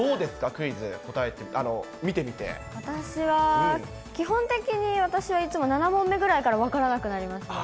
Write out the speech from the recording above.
クイズ、私は、基本的に私はいつも７問目ぐらいから分からなくなりますね。